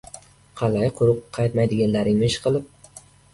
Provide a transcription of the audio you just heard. — Qalay, quruq qaytmadilaringmi, ishqilib?